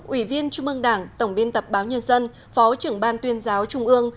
ủy viên trung ương đảng tổng biên tập báo nhân dân phó trưởng ban tuyên giáo trung ương